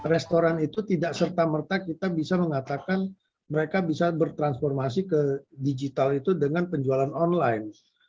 restoran itu tidak serta merta kita bisa mengatakan mereka bisa bertransformasi ke digital itu dengan penjualan online